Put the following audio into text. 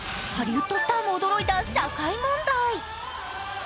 ハリウッドスターも驚いた社会問題。